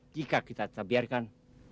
jika kita terbiarkan